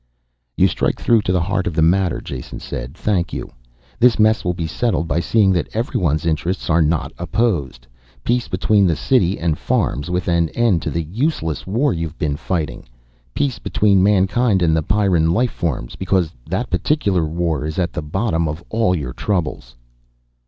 "You strike through to the heart of the matter," Jason said. "Thank you. This mess will be settled by seeing that everyone's interests are not opposed. Peace between the city and farms, with an end to the useless war you have been fighting. Peace between mankind and the Pyrran life forms because that particular war is at the bottom of all your troubles."